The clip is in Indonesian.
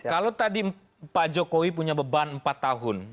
kalau tadi pak jokowi punya beban empat tahun